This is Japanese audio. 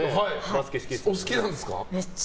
お好きなんですか？